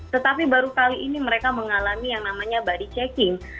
tetapi baru kali ini mereka mengalami yang namanya body checking